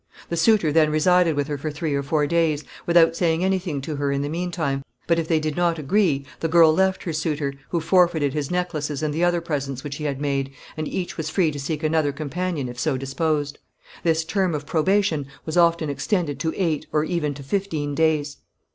The suitor then resided with her for three or four days, without saying anything to her in the meantime, but if they did not agree, the girl left her suitor, who forfeited his necklaces and the other presents which he had made, and each was free to seek another companion if so disposed. This term of probation was often extended to eight, or even to fifteen days.